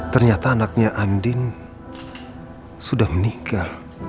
ternyata anaknya andin sudah menikah